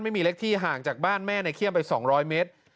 ไม่มีเล็กที่ห่างจากบ้านแม่ในเขี้ยมไป๒๐๐เมตร